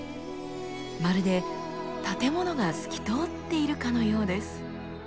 まるで建物が透き通っているかのようです。